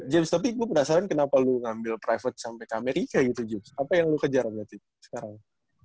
james tapi gue penasaran kenapa lu ngambil private sampai ke amerika gitu james apa yang lo kejar berarti sekarang